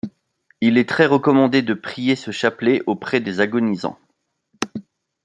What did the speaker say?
Il est très recommandé de prier ce chapelet auprès des agonisants.